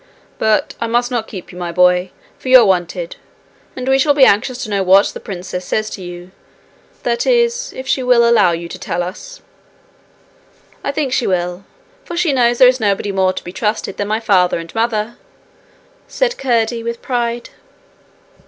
But I must not keep you, my boy, for you are wanted; and we shall be anxious to know what the princess says to you that is, if she will allow you to tell us.' 'I think she will, for she knows there is nobody more to be trusted than my father and mother,' said Curdie, with pride.